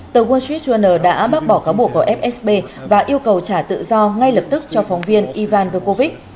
tờ wall street journal đã bác bỏ cáo buộc của fsb và yêu cầu trả tự do ngay lập tức cho phóng viên ivan gokovic